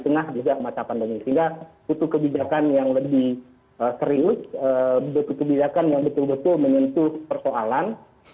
sehingga putu kebijakan yang lebih serius putu kebijakan yang betul betul menyentuh persoalan